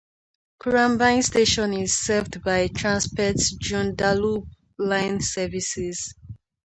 Currambine station is served by Transperth Joondalup line services.